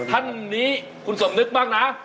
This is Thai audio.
ท่านนี้คุณสมนึกบ้างนะ